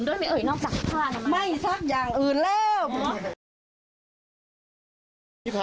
แล้วพี่ซักอย่างอื่นด้วยไหมเอ๋ยนอกจากผ้านะ